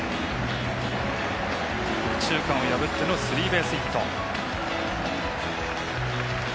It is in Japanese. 右中間を破ってのスリーベースヒット。